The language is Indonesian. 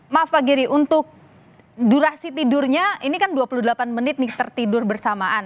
maaf pak giri untuk durasi tidurnya ini kan dua puluh delapan menit nih tertidur bersamaan